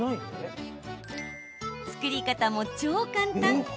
作り方も超簡単。